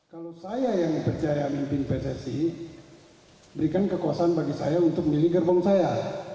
kalau saya yang percaya mimpin pssi berikan kekuasaan bagi saya untuk memilih gerbong saya